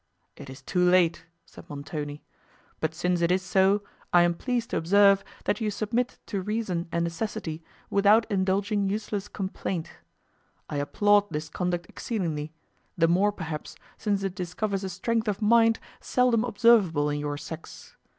"It is too late," said Montoni; "but since it is so, I am pleased to observe, that you submit to reason and necessity without indulging useless complaint. I applaud this conduct exceedingly, the more, perhaps, since it discovers a strength of mind seldom observable in your sex.